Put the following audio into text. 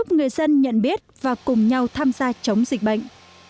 người dân nhận biết và cùng nhau tham gia chống dịch bệnh